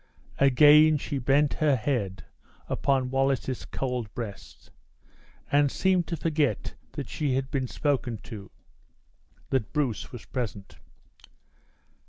Again she bent her head upon Wallace's cold breast; and seemed to forget that she had been spoken to that Bruce was present.